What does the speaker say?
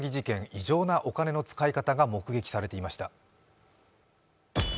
異常なお金の使い方が目撃されていました。